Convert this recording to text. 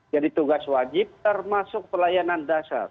tugas wajib termasuk pelayanan dasar